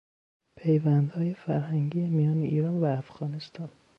پیوندهای فرهنگی میان ایران و افغانستان